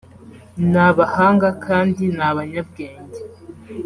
ni abahanga kandi ni abanyabwenge